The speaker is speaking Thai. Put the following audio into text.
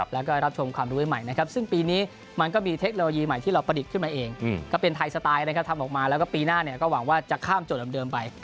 แล้วก็รับชมความรู้ใหม่นะครับซึ่งปีนี้มันก็มีเทคโนโลยีใหม่ที่เราประดิษฐ์ขึ้นมาเองก็เป็นไทยสไตล์นะครับทำออกมาแล้วก็ปีหน้าเนี่ยก็หวังว่าจะข้ามโจทย์เดิมไป